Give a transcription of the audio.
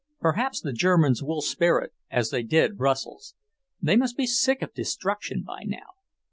Perhaps the Germans will spare it, as they did Brussels. They must be sick of destruction by now.